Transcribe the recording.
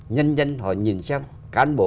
nhân dân họ nhìn xem cán bộ